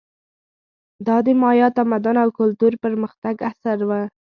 دا د مایا تمدن او کلتور پرمختګ عصر و.